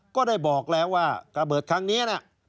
ก็ได้บอกแล้วว่าระเบิดครั้งนี้นะ